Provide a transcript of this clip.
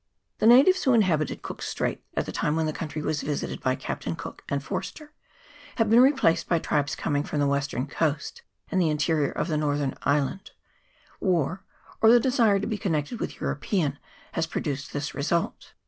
The natives who inhabited Cook's Straits at the time when the country was visited by Captain Cook and Forster have been replaced by tribes coming from the western coast and the interior of the northern island : war, or the desire to be connected CHAP. XI.J COOK'S STRAITS. 193 with Europeans has produced this result.